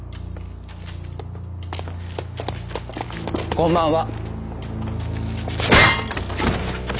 こんばんは。